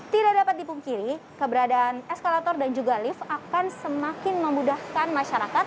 tidak dapat dipungkiri keberadaan eskalator dan juga lift akan semakin memudahkan masyarakat